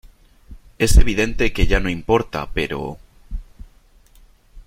es evidente que ya no importa , pero ...